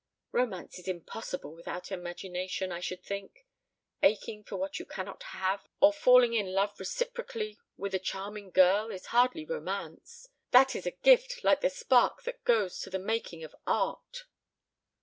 "Romance is impossible without imagination, I should think. Aching for what you cannot have or falling in love reciprocally with a charming girl is hardly romance. That is a gift like the spark that goes to the making of Art."